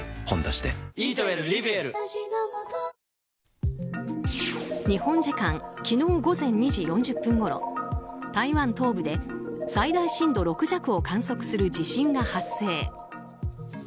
「ほんだし」で日本時間昨日午前２時４０分ごろ台湾東部で最大震度６弱を観測する地震が発生。